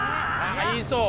言いそう。